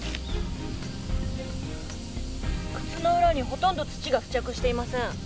靴の裏にほとんど土が付着していません。